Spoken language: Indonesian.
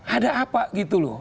ada apa gitu loh